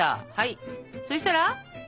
そしたら？